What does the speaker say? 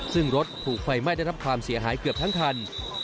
ซึ่งรถถูกไฟไหม้ได้รับความเสียหายเกือบทั้งคัน